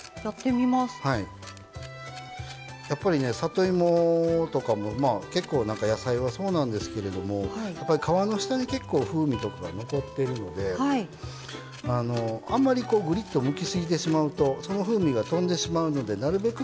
やっぱりね里芋とかも結構野菜はそうなんですけれどもやっぱり皮の下に結構風味とかが残っているのであんまりこうぐりっとむきすぎてしまうとその風味が飛んでしまうのでなるべく